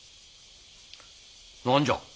何じゃ？